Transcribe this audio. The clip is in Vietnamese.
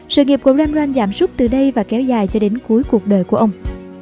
sự nghiệp của rembrandt giảm sút từ đây và kéo dài cho đến cuối cuộc đời của ông